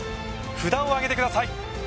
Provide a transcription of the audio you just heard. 札をあげてください